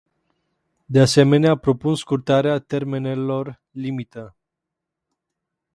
De asemenea, propun scurtarea termenelor limită.